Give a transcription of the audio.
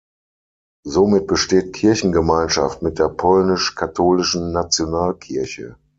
Somit besteht Kirchengemeinschaft mit der Polnisch-Katholischen Nationalkirche.